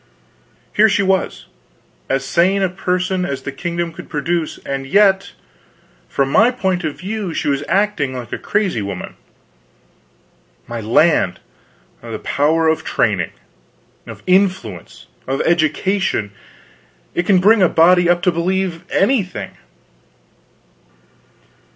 Here she was, as sane a person as the kingdom could produce; and yet, from my point of view she was acting like a crazy woman. My land, the power of training! of influence! of education! It can bring a body up to believe anything.